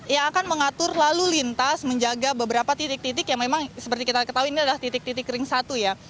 yang akan mengatur lalu lintas menjaga beberapa titik titik yang memang seperti kita ketahui ini adalah titik titik ring satu ya